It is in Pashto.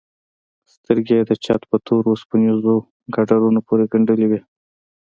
سترگې يې د چت په تورو وسپنيزو ګاډرونو پورې گنډلې وې.